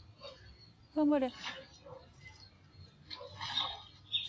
頑張れ。